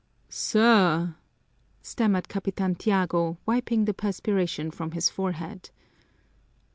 "Sir!" stammered Capitan Tiago, wiping the perspiration from his forehead.